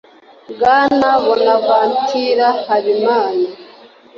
bwana bonavantura habimana.